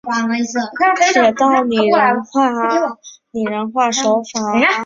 铁道拟人化又按性质分为不同类型的拟人化手法。